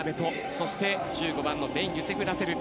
そして１５番のベンユセフラセル。